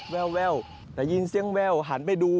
แววแต่ยินเสียงแววหันไปดู